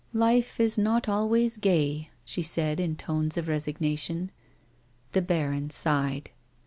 " Life is not always gay," she said in tones of resignation. The baron sighed.